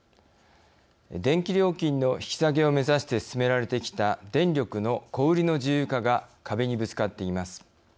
電気料金の引き下げを目指して進められてきた電力の小売りの自由化が壁にぶつかっています。